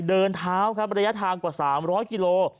เดินเท้าครับระยะทางกว่า๓๐๐กิโล